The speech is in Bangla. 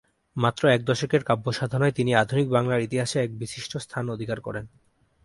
মাত্র এক দশকের কাব্যসাধনায় তিনি আধুনিক বাংলার ইতিহাসে এক বিশিষ্ট স্থান অধিকার করেন।